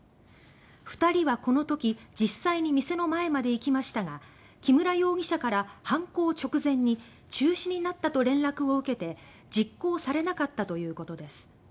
２人はこの時実際に店の前まで行きましたが木村容疑者から犯行直前に中止になったと連絡を受けて実行されなかったということです。